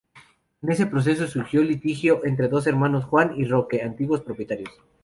En ese proceso surgió un litigio entre dos hermanos: Juan y Roque, antiguos propietarios.